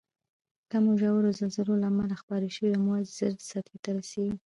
د کمو ژورو زلزلو له امله خپاره شوی امواج زر سطحې ته رسیږي.